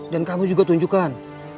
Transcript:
dan kamu juga tunjukkan